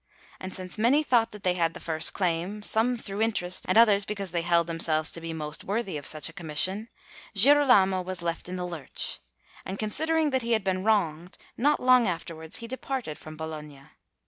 And since many thought that they had the first claim, some through interest and others because they held themselves to be most worthy of such a commission, Girolamo was left in the lurch; and considering that he had been wronged, not long afterwards he departed from Bologna.